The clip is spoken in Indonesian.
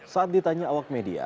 saat ditanya awak media